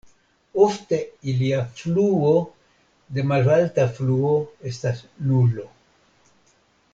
Ofte ilia fluo de malalta fluo estas nulo.